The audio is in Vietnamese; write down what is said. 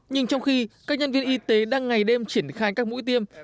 nhưng trong khi các nhân viên y tế đang ngày đêm triển khai các mũi tiêm